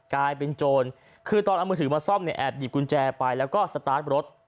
กลายเป็นโจรคือตอนเอามือถือมาซ่อมเนี่ยแอบหยิบกุญแจไปแล้วก็สตาร์ทรถ